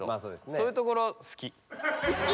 そういうところ好き。